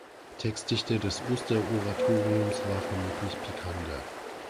Textdichter des Oster-Oratoriums war vermutlich Picander.